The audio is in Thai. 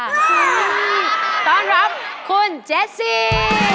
ต้อนรับคุณเจสซี่